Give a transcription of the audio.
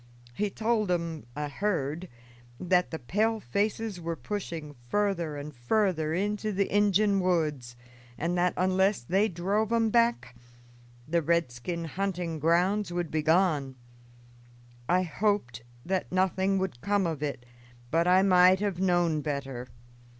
He told 'em, I heard, that the pale faces were pushing further and further into the Injun woods, and that, unless they drove 'em back, the redskin hunting grounds would be gone. I hoped that nothing would come of it, but I might have known better.